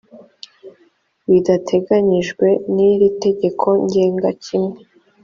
bidateganyijwe n iri tegeko ngenga kimwe